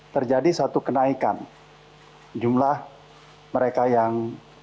terjadi satu kenaikan jumlah mereka yang